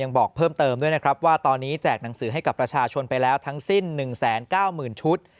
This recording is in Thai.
บอกเพิ่มเติมด้วยนะครับว่าตอนนี้แจกหนังสือให้กับประชาชนไปแล้วทั้งสิ้น๑๙๐๐๐ชุด